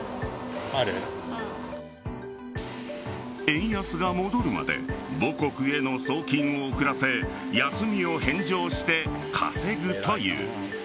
円安が戻るまで母国への送金を遅らせ休みを返上して稼ぐという。